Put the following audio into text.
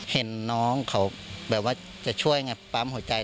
เห็นน้องเขาแบบว่าจะช่วยไงปั๊มหัวใจ